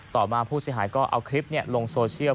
ต่อมาผู้เสียหายก็เอาคลิปลงโซเชียล